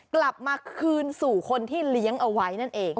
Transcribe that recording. กลับมาคืนสู่คนที่เลี้ยงเอาไว้นั่นเอง